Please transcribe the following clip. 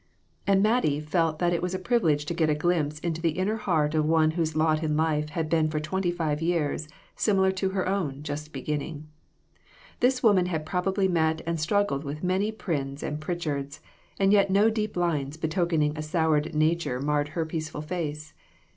And Mattie felt that it was a privilege to get a glimpse into the inner heart of one whose lot in life had been for twenty five years similar to her own, just beginning. This woman had prob ably met and struggled with many Pryns and Pritchards, and yet no deep lines betokening a soured nature marred her peaceful face.